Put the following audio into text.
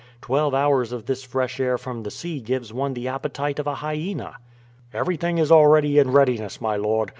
Twelve hours of this fresh air from the sea gives one the appetite of a hyena." "Everything is already in readiness, my lord.